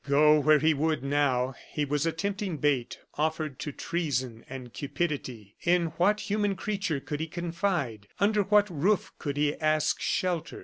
Go where he would now, he was a tempting bait offered to treason and cupidity. In what human creature could he confide? Under what roof could he ask shelter?